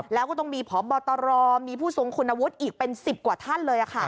แล้วก็ต้องมีพบตรมีผู้ทรงคุณวุฒิอีกเป็น๑๐กว่าท่านเลย